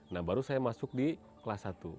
nah baru saya masuk di kelas satu